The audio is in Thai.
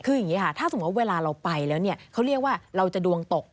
คืออย่างนี้ค่ะถ้าสมมุติเวลาเราไปแล้วเนี่ยเขาเรียกว่าเราจะดวงตก